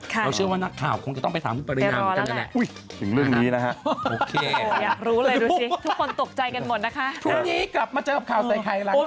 เราเชื่อว่านักข่าวคงจะต้องไปถามคุณปรินาเหมือนกันนั่นแหละ